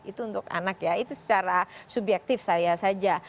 itu untuk anak ya itu secara subjektif saya saja